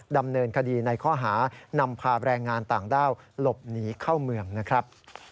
ดำเนินคดีในข้อหานำพาแรงงานต่างด้าวหลบหนีเข้าเมืองนะครับ